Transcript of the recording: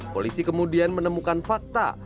polisi kemudian menemukan fakta